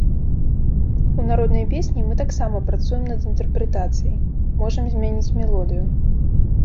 У народнай песні мы таксама працуем над інтэрпрэтацыяй, можам змяніць мелодыю.